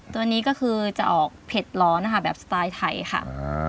ตัวนี้ก็คือจะออกเผ็ดร้อนนะคะแบบสไตล์ไทยค่ะ